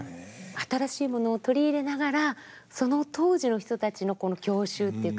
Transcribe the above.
新しいものを取り入れながらその当時の人たちの郷愁っていうか共感も。